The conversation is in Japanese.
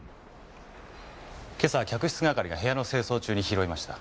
今朝客室係が部屋の清掃中に拾いました。